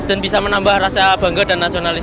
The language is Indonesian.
dan bisa menambah rasa bangga dan nasionalis